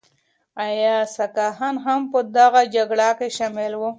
ایا سکهان هم په دغه جګړه کې شامل وو؟